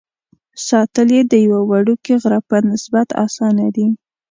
ساتل یې د یوه وړوکي غره په نسبت اسانه دي.